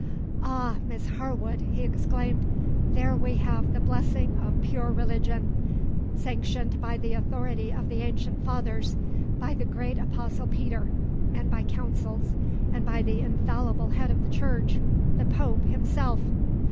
"Ah, Miss Harwood," he exclaimed, "there we have the blessing of pure religion, sanctioned by the authority of the ancient Fathers, by the great Apostle Peter, and by Councils, and by the infallible head of the Church the Pope himself!